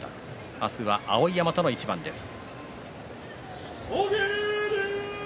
明日は碧山との一番です。